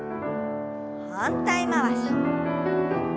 反対回し。